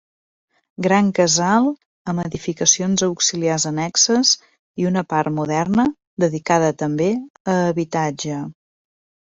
Gran casal, amb edificacions auxiliars annexes i una part moderna dedicada també a habitatge.